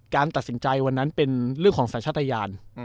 การตัดสินใจวันนั้นเป็นเรื่องของสัญชาติยาน